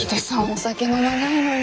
お酒飲まないのに。